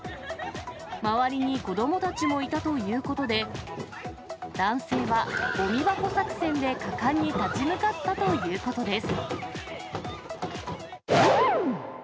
周りに子どもたちもいたということで、男性はごみ箱作戦で果敢に立ち向かったということです。